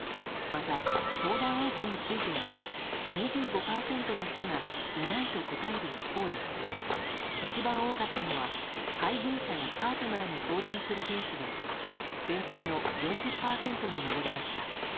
また、相談相手については２５％の人がいないと答える一方で一番多かったのは配偶者やパートナーに相談するケースで全体の４０％に上りました。